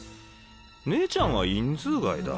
姉ちゃんは員数外だ。